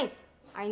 ini dia kalian